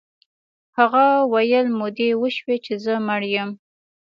هغه ویل مودې وشوې چې زه مړ یم